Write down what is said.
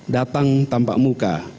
datang tanpa muka